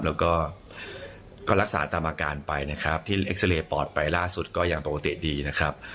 แล้วก็ลักษณะตามอาการไปนะครับที่เซเลลน์ปอดไปล่าสุดก็ตลอดอย่างปกติดีนะครับ